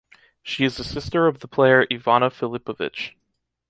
She is the sister of the player Ivana Filipović.